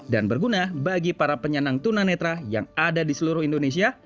dan berguna bagi para penyenang tunanetra yang ada di seluruh indonesia